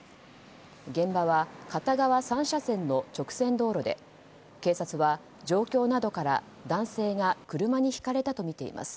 現場は片側３車線の直線道路で警察は状況などから男性が車にひかれたとみています。